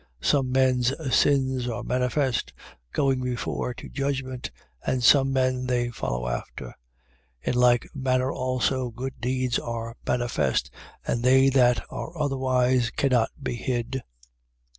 5:24. Some men's sins are manifest, going before to judgment: and some men they follow after. 5:25. In like manner also good deeds are manifest: and they that are otherwise cannot be hid.